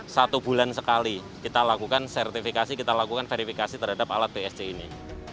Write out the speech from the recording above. satu bulan sekali kita lakukan sertifikasi kita lakukan verifikasi terhadap alat bsc ini